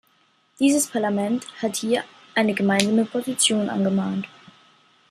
Dieses Parlament hat hier eine gemeinsame Position angemahnt.